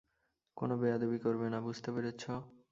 কোনো বেয়াদবি করবে না, বুঝতে পেরেছো?